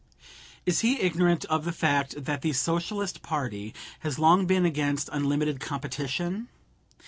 Is he ignorant of the fact that the Socialist party has long been against unlimited competition?